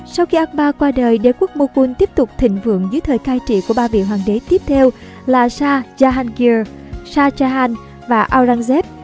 sau khi akbar qua đời đế quốc moghul tiếp tục thịnh vượng dưới thời cai trị của ba vị hoàng đế tiếp theo là shah jahangir shah jahan và aurangzeb